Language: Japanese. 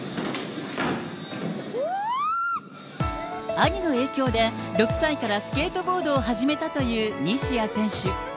兄の影響で、６歳からスケートボードを始めたという西矢選手。